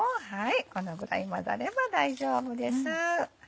このぐらい混ざれば大丈夫です。